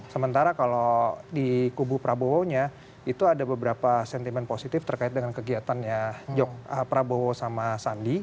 sementara kalau di kubu prabowonya itu ada beberapa sentimen positif terkait dengan kegiatannya prabowo sama sandi